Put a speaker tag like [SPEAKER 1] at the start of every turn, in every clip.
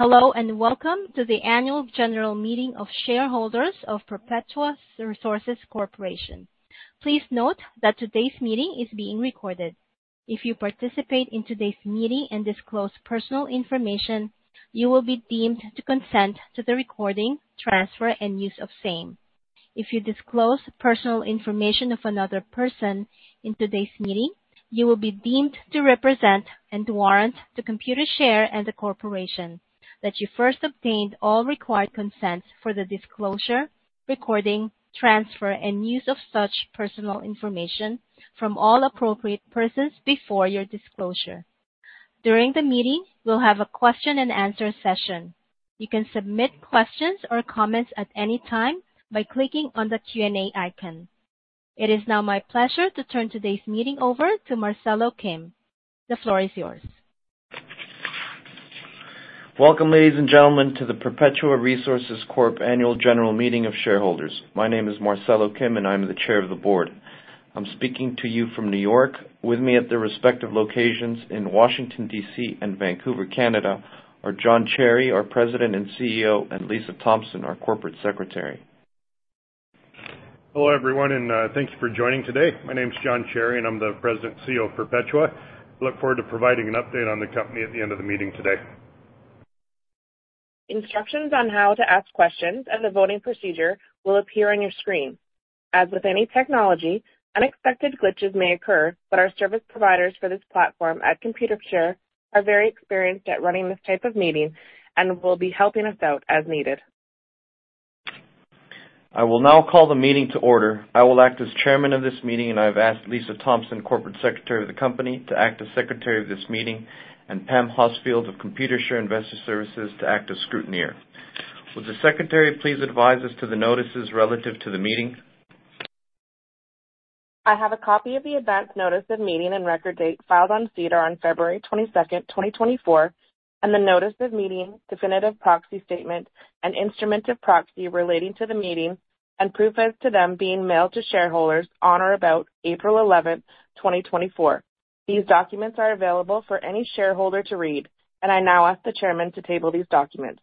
[SPEAKER 1] Hello, and welcome to the annual general meeting of Shareholders of Perpetua Resources Corp. Please note that today's meeting is being recorded. If you participate in today's meeting and disclose personal information, you will be deemed to consent to the recording, transfer, and use of same. If you disclose personal information of another person in today's meeting, you will be deemed to represent and warrant to Computershare and the corporation that you first obtained all required consents for the disclosure, recording, transfer, and use of such personal information from all appropriate persons before your disclosure. During the meeting, we'll have a question and answer session. You can submit questions or comments at any time by clicking on the Q&A icon. It is now my pleasure to turn today's meeting over to Marcelo Kim. The floor is yours.
[SPEAKER 2] Welcome, ladies and gentlemen, to the Perpetua Resources Corp annual general meeting of Shareholders. My name is Marcelo Kim, and I'm the Chair of the Board. I'm speaking to you from New York. With me at their respective locations in Washington, D.C., and Vancouver, Canada, are Jon Cherry, our President and CEO, and Lisa Thompson, our Corporate Secretary.
[SPEAKER 3] Hello, everyone, and thank you for joining today. My name is Jon Cherry, and I'm the President and CEO of Perpetua. I look forward to providing an update on the company at the end of the meeting today.
[SPEAKER 4] Instructions on how to ask questions and the voting procedure will appear on your screen. As with any technology, unexpected glitches may occur, but our service providers for this platform at Computershare are very experienced at running this type of meeting and will be helping us out as needed.
[SPEAKER 2] I will now call the meeting to order. I will act as chairman of this meeting, and I have asked Lisa Thompson, Corporate Secretary of the company, to act as secretary of this meeting, and Pam Hosfield of Computershare Investor Services to act as Scrutineer. Will the secretary please advise us as to the notices relative to the meeting?
[SPEAKER 4] I have a copy of the Advance Notice of Meeting and record date filed on SEDAR on February 22nd, 2024, and the Notice of Meeting, Definitive Proxy Statement, and Instrument of Proxy relating to the meeting and proof as to them being mailed to shareholders on or about April 11th, 2024. These documents are available for any shareholder to read, and I now ask the chairman to table these documents.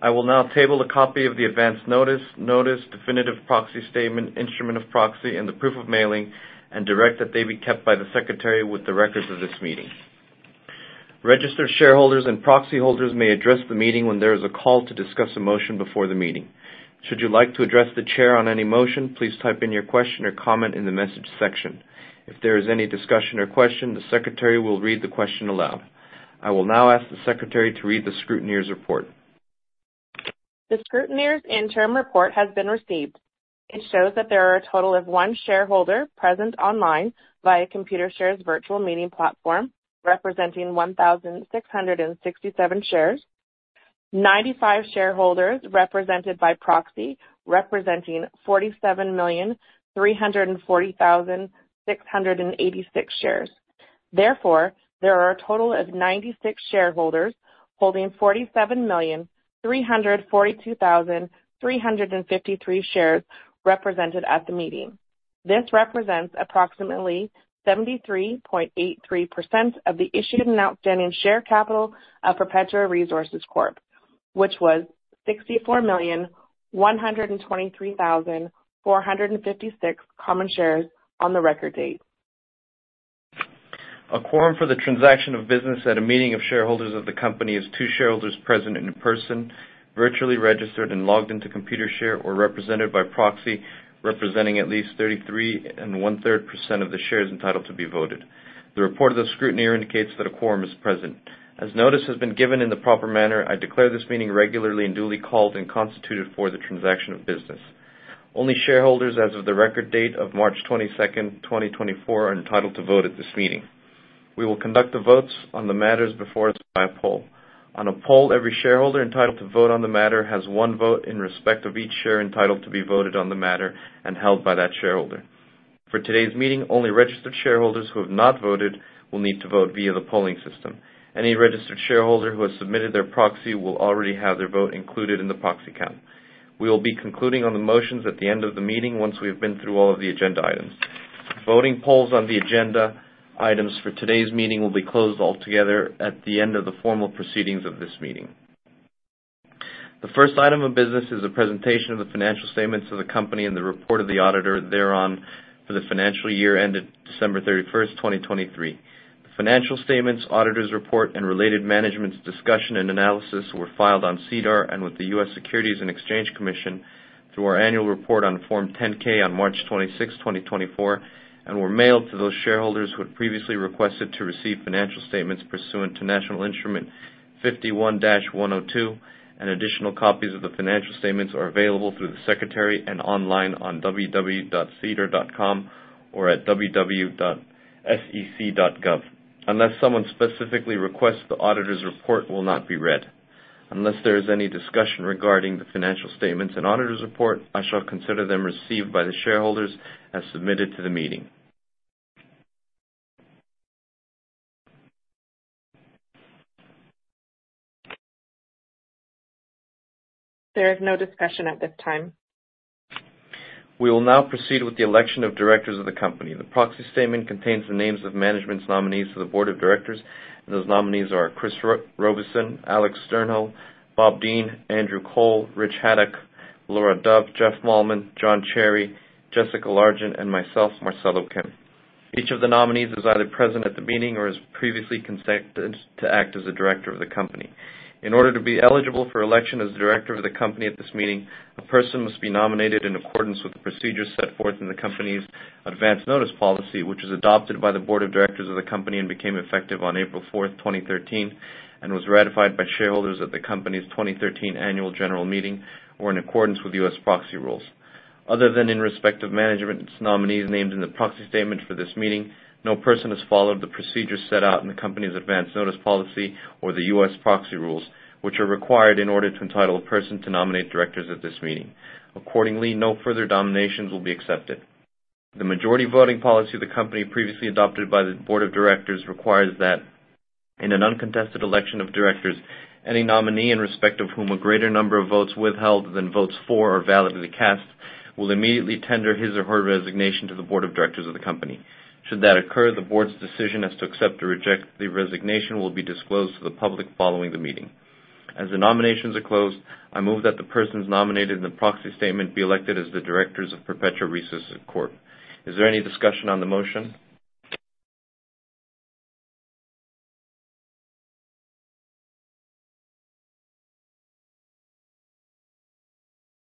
[SPEAKER 2] I will now table a copy of the Advance Notice, Notice, Definitive Proxy Statement, Instrument of Proxy, and the proof of mailing, and direct that they be kept by the secretary with the records of this meeting. Registered shareholders and proxy holders may address the meeting when there is a call to discuss a motion before the meeting. Should you like to address the chair on any motion, please type in your question or comment in the message section. If there is any discussion or question, the secretary will read the question aloud. I will now ask the secretary to read the Scrutineer's report.
[SPEAKER 4] The Scrutineer's interim report has been received. It shows that there are a total of 1 shareholder present online via Computershare's virtual meeting platform, representing 1,667 shares. 95 shareholders represented by proxy, representing 47,340,686 shares. Therefore, there are a total of 96 shareholders holding 47,342,353 shares represented at the meeting. This represents approximately 73.83% of the issued and outstanding share capital of Perpetua Resources Corp, which was 64,123,456 common shares on the record date.
[SPEAKER 2] A quorum for the transaction of business at a meeting of shareholders of the company is two shareholders present in person, virtually registered and logged into Computershare, or represented by proxy, representing at least 33 1/3% of the shares entitled to be voted. The report of the Scrutineer indicates that a quorum is present. As notice has been given in the proper manner, I declare this meeting regularly and duly called and constituted for the transaction of business. Only shareholders as of the record date of March 22, 2024, are entitled to vote at this meeting. We will conduct the votes on the matters before us by a poll. On a poll, every shareholder entitled to vote on the matter has one vote in respect of each share entitled to be voted on the matter and held by that shareholder. For today's meeting, only registered shareholders who have not voted will need to vote via the polling system. Any registered shareholder who has submitted their proxy will already have their vote included in the proxy count. We will be concluding on the motions at the end of the meeting, once we have been through all of the agenda items. Voting polls on the agenda items for today's meeting will be closed altogether at the end of the formal proceedings of this meeting. The first item of business is a presentation of the financial statements of the company and the report of the auditor thereon for the financial year ended December 31, 2023. The financial statements, auditor's report, and related Management's Discussion and Analysis were filed on SEDAR and with the U.S. Securities and Exchange Commission through our annual report on Form 10-K on March 26th, 2024. And were mailed to those shareholders who had previously requested to receive financial statements pursuant to National Instrument 51-102, and additional copies of the financial statements are available through the secretary and online on www.sedar.com or at www.sec.gov. Unless someone specifically requests, the auditor's report will not be read. Unless there is any discussion regarding the financial statements and auditor's report, I shall consider them received by the shareholders as submitted to the meeting.
[SPEAKER 4] There is no discussion at this time.
[SPEAKER 2] We will now proceed with the election of Directors of the company. The proxy statement contains the names of management's nominees for the Board of Directors, and those nominees are Chris Robison, Alex Sternhell, Bob Dean, Andrew Cole, Rich Haddock, Laura Dove, Jeff Malmen, Jon Cherry, Jessica Largent, and myself, Marcelo Kim. Each of the nominees is either present at the meeting or is previously consented to act as a Director of the company. In order to be eligible for election as a Director of the company at this meeting, a person must be nominated in accordance with the procedures set forth in the company's Advance Notice Policy, which was adopted by the Board of Directors of the company and became effective on April 4, 2013, and was ratified by shareholders at the company's 2013 annual general meeting or in accordance with U.S. proxy rules. Other than in respect of management's nominees named in the Proxy Statement for this meeting, no person has followed the procedures set out in the company's Advance Notice Policy or the U.S. proxy rules, which are required in order to entitle a person to nominate Directors at this meeting. Accordingly, no further nominations will be accepted. The majority voting policy of the company previously adopted by the Board of Directors requires that in an uncontested election of Directors, any nominee in respect of whom a greater number of votes withheld than votes for are validly cast, will immediately tender his or her resignation to the Board of Directors of the company. Should that occur, the board's decision as to accept or reject the resignation will be disclosed to the public following the meeting. As the nominations are closed, I move that the persons nominated in the Proxy Statement be elected as the Directors of Perpetua Resources Corp. Is there any discussion on the motion?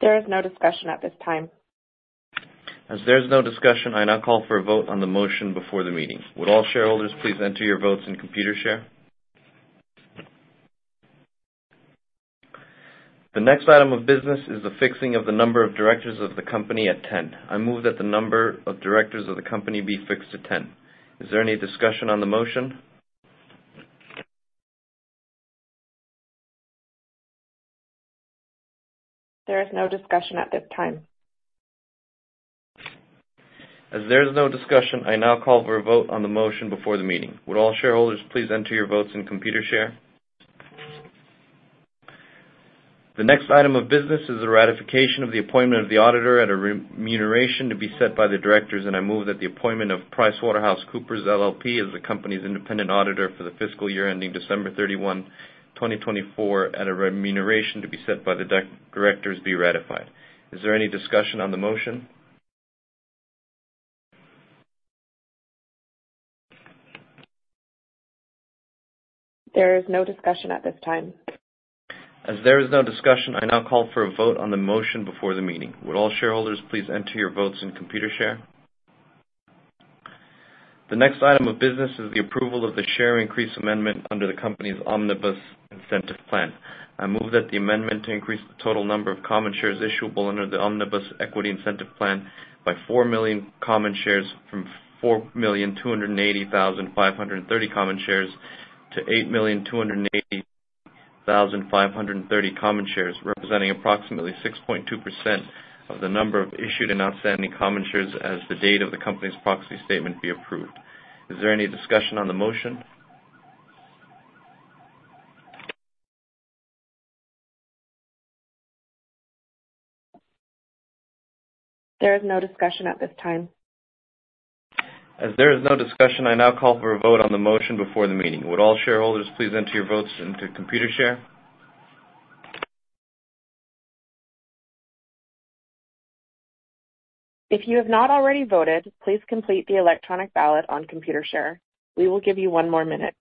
[SPEAKER 4] There is no discussion at this time.
[SPEAKER 2] As there is no discussion, I now call for a vote on the motion before the meeting. Would all shareholders please enter your votes in Computershare? The next item of business is the fixing of the number of Directors of the company at 10. I move that the number of Directors of the company be fixed to 10. Is there any discussion on the motion?
[SPEAKER 4] There is no discussion at this time.
[SPEAKER 2] As there is no discussion, I now call for a vote on the motion before the meeting. Would all shareholders please enter your votes in Computershare? The next item of business is the ratification of the appointment of the auditor at a remuneration to be set by the Directors, and I move that the appointment of PricewaterhouseCoopers LLP as the company's independent auditor for the fiscal year ending December 31, 2024, at a remuneration to be set by the Directors, be ratified. Is there any discussion on the motion?
[SPEAKER 4] There is no discussion at this time.
[SPEAKER 2] As there is no discussion, I now call for a vote on the motion before the meeting. Would all shareholders please enter your votes in Computershare? The next item of business is the approval of the share increase amendment under the company's Omnibus Incentive Plan. I move that the amendment to increase the total number of common shares issuable under the Omnibus Equity Incentive Plan by four million common shares from 4,280,530 common shares to 8,280,530 common shares, representing approximately 6.2% of the number of issued and outstanding common shares as the date of the company's proxy statement, be approved. Is there any discussion on the motion?
[SPEAKER 4] There is no discussion at this time.
[SPEAKER 2] As there is no discussion, I now call for a vote on the motion before the meeting. Would all shareholders please enter your votes into Computershare?
[SPEAKER 4] If you have not already voted, please complete the electronic ballot on Computershare. We will give you one more minute.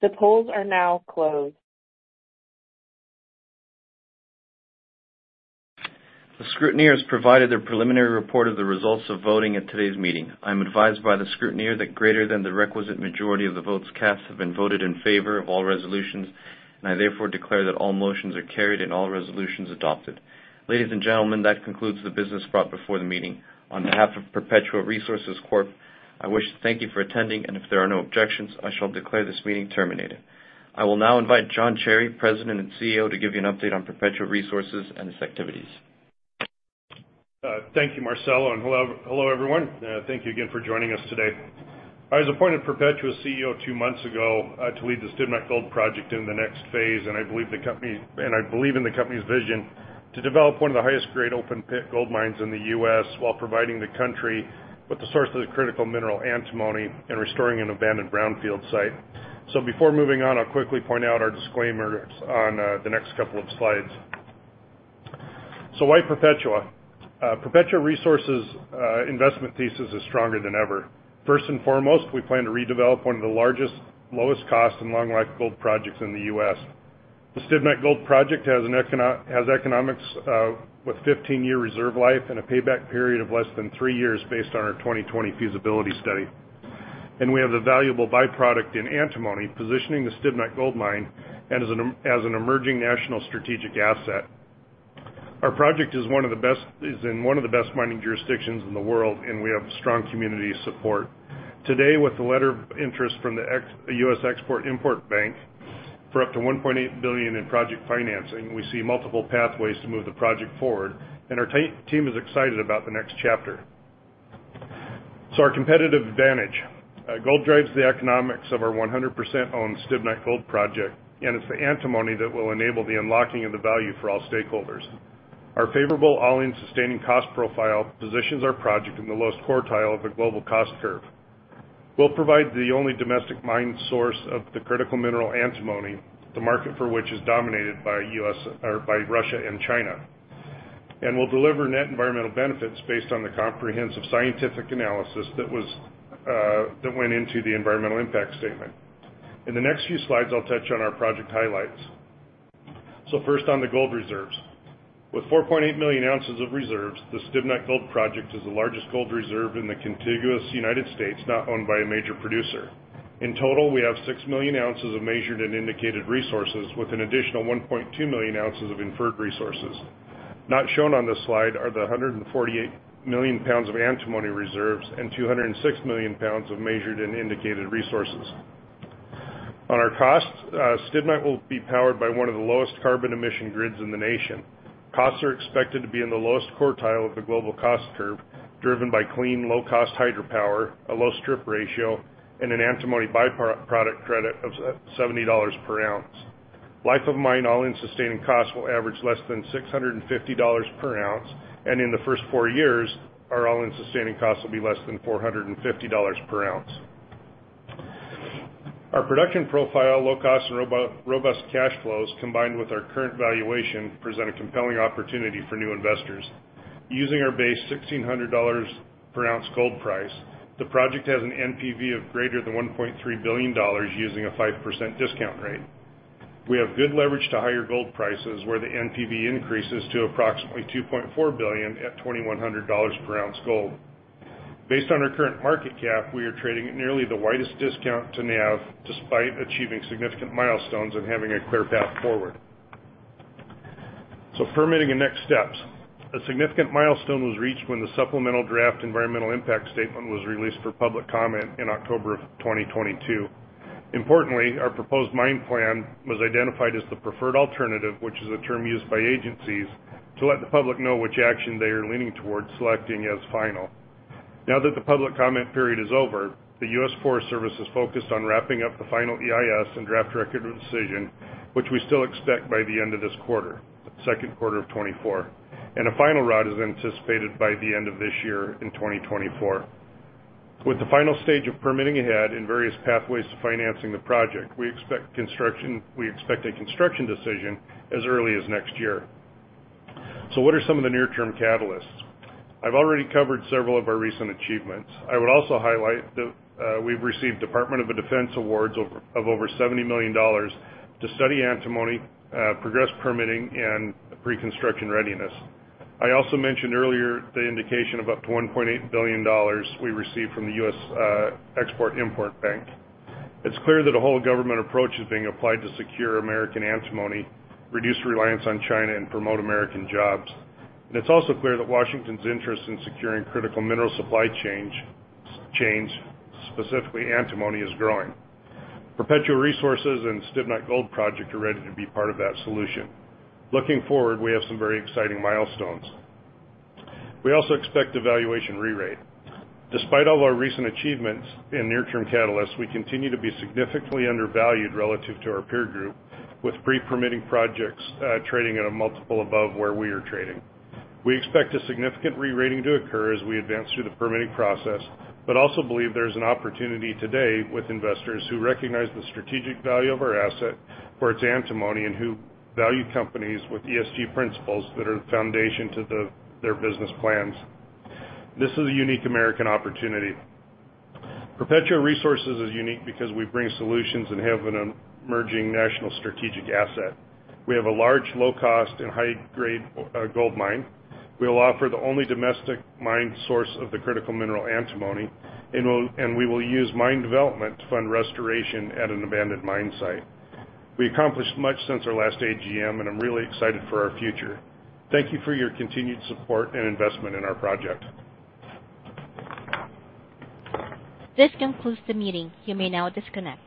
[SPEAKER 4] The polls are now closed.
[SPEAKER 2] The Scrutineer has provided their preliminary report of the results of voting at today's meeting. I'm advised by the Scrutineer that greater than the requisite majority of the votes cast have been voted in favor of all resolutions, and I therefore declare that all motions are carried and all resolutions adopted. Ladies and gentlemen, that concludes the business brought before the meeting. On behalf of Perpetua Resources Corp, I wish to thank you for attending, and if there are no objections, I shall declare this meeting terminated. I will now invite Jon Cherry, President and CEO, to give you an update on Perpetua Resources and its activities.
[SPEAKER 3] Thank you, Marcelo, and hello, hello, everyone. Thank you again for joining us today. I was appointed Perpetua's CEO two months ago, to lead the Stibnite Gold Project in the next phase, and I believe the company... and I believe in the company's vision to develop one of the highest-grade open-pit gold mines in the U.S. while providing the country with the source of the critical mineral antimony and restoring an abandoned brownfield site. So before moving on, I'll quickly point out our disclaimer on, the next couple of slides. So why Perpetua? Perpetua Resources, investment thesis is stronger than ever. First and foremost, we plan to redevelop one of the largest, lowest cost and long-life gold projects in the U.S. The Stibnite Gold Project has economics with 15-year reserve life and a payback period of less than three years based on our 2020 Feasibility Study. We have a valuable byproduct in antimony, positioning the Stibnite Gold Mine as an emerging national strategic asset. Our project is in one of the best mining jurisdictions in the world, and we have strong community support. Today, with the letter of interest from the US Export-Import Bank for up to $1.8 billion in project financing, we see multiple pathways to move the project forward, and our team is excited about the next chapter. Our competitive advantage. Gold drives the economics of our 100% owned Stibnite Gold Project, and it's the antimony that will enable the unlocking of the value for all stakeholders. Our favorable All-In Sustaining Costs profile positions our project in the lowest quartile of the global cost curve. We'll provide the only domestic mine source of the critical mineral antimony, the market for which is dominated by Russia and China. We'll deliver net environmental benefits based on the comprehensive scientific analysis that was, that went into the Environmental Impact Statement. In the next few slides, I'll touch on our project highlights. First, on the gold reserves. With 4.8 million ounces of reserves, the Stibnite Gold Project is the largest gold reserve in the contiguous United States, not owned by a major producer. In total, we have 6 million ounces of measured and indicated resources, with an additional 1.2 million ounces of inferred resources. Not shown on this slide are the 148 million pounds of antimony reserves and 206 million pounds of measured and indicated resources. On our costs, Stibnite will be powered by one of the lowest carbon emission grids in the nation. Costs are expected to be in the lowest quartile of the global cost curve, driven by clean, low-cost hydropower, a low strip ratio, and an antimony byproduct credit of $70 per ounce. Life of mine, All-In Sustaining Costs will average less than $650 per ounce, and in the first four years, our All-In Sustaining Costs will be less than $450 per ounce. Our production profile, low costs, and robust cash flows, combined with our current valuation, present a compelling opportunity for new investors. Using our base $1,600 per ounce gold price, the project has an NPV of greater than $1.3 billion, using a 5% discount rate. We have good leverage to higher gold prices, where the NPV increases to approximately $2.4 billion at $2,100 per ounce gold. Based on our current market cap, we are trading at nearly the widest discount to NAV, despite achieving significant milestones and having a clear path forward. So permitting and next steps. A significant milestone was reached when the Supplemental Draft Environmental Impact Statement was released for public comment in October 2022. Importantly, our proposed mine plan was identified as the preferred alternative, which is a term used by agencies to let the public know which action they are leaning towards selecting as final. Now that the public comment period is over, the US Forest Service is focused on wrapping up the final EIS and draft Record of Decision, which we still expect by the end of this quarter, the second quarter of 2024, and a final ROD is anticipated by the end of this year in 2024. With the final stage of permitting ahead and various pathways to financing the project, we expect a construction decision as early as next year. So what are some of the near-term catalysts? I've already covered several of our recent achievements. I would also highlight that we've received Department of Defense awards of over $70 million to study antimony, progress permitting, and pre-construction readiness. I also mentioned earlier the indication of up to $1.8 billion we received from the US Export-Import Bank. It's clear that a whole government approach is being applied to secure American antimony, reduce reliance on China, and promote American jobs. It's also clear that Washington's interest in securing critical mineral supply chain, specifically antimony, is growing. Perpetua Resources and Stibnite Gold Project are ready to be part of that solution. Looking forward, we have some very exciting milestones. We also expect a valuation re-rate. Despite all our recent achievements in near-term catalysts, we continue to be significantly undervalued relative to our peer group, with pre-permitting projects trading at a multiple above where we are trading. We expect a significant re-rating to occur as we advance through the permitting process, but also believe there's an opportunity today with investors who recognize the strategic value of our asset for its antimony and who value companies with ESG principles that are the foundation to the, their business plans. This is a unique American opportunity. Perpetua Resources is unique because we bring solutions and have an emerging national strategic asset. We have a large, low cost and high-grade gold mine. We will offer the only domestic mine source of the critical mineral antimony, and we will use mine development to fund restoration at an abandoned mine site. We accomplished much since our last AGM, and I'm really excited for our future. Thank you for your continued support and investment in our project.
[SPEAKER 1] This concludes the meeting. You may now disconnect.